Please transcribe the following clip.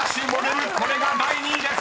［これが第２位です］